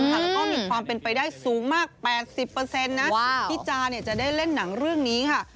แล้วก็มีความเป็นไปได้สูงมาก๘๐นะพี่จาจะได้เล่นหนังเรื่องนี้ค่ะ